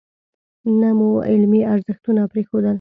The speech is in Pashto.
نه مو علمي ارزښتونه پرېښودل.